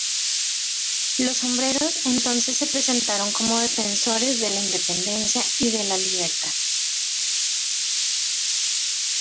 Los "sombreros" entonces se presentaron como defensores de la independencia y de la libertad.